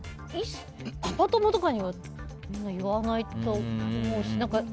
パパ友とかには言わないと思うし。